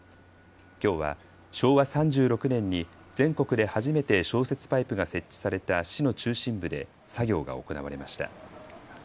きょうは昭和３６年に全国で初めて消雪パイプが設置された市の中心部で作業が行われました。